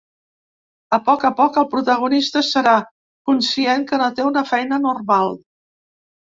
A poc a poc el protagonista serà conscient que no té una feina normal.